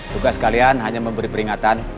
tugas kalian hanya memberi peringatan